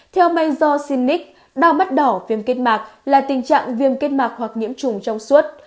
theo mayso cinic đau mắt đỏ viêm kết mạc là tình trạng viêm kết mạc hoặc nhiễm trùng trong suốt